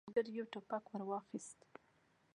آهنګر يو ټوپک ور واخيست.